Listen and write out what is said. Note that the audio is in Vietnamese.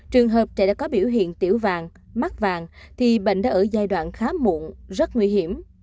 trường hợp trẻ đã có biểu hiện tiểu vàng mắc vàng thì bệnh đã ở giai đoạn khá muộn rất nguy hiểm